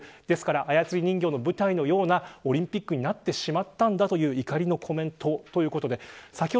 ですから、操り人形の舞台のようなオリンピックになってしまったんだという怒りのコメントだということです。